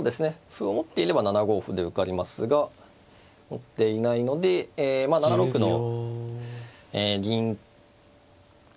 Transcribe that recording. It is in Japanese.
歩を持っていれば７五歩で受かりますが持っていないので７六の銀をですね